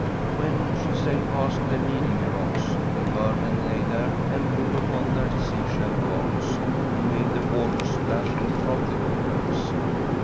When she sailed past the Nidinge rocks, the mermen lay there and blew upon their seashell horns, and made the water splash in frothy pillars.